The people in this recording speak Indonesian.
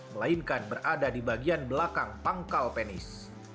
melainkan berada di bagian belakang pangkal penis